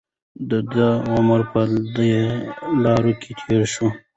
د ده عمر په دې لاره کې تېر شوی.